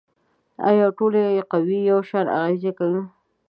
آیا ټولې قوې یو شان اغیزې کوي؟